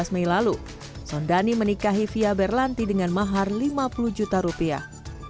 dua belas mei lalu sondani menikahi fia berlanti dengan mahar lima puluh juta rupiah